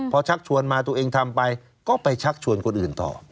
พอชักชวนมาตัวเองทำไปก็ไปชักชวนคนอื่นต่อ